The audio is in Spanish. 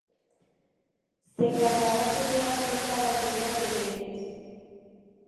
Se cargaba generalmente a las ligas de gremios.